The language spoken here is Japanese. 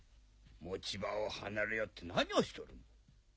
持ち場を離れおって何をしておる！